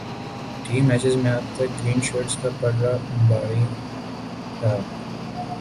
T matches میں اب تک گرین شرٹس کا پلڑا بھاری رہا